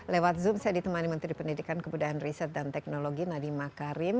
lewat zoom saya ditemani menteri pendidikan kebudayaan riset dan teknologi nadiem makarim